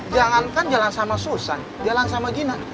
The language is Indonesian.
jangankan jalan sama susan jalan sama gina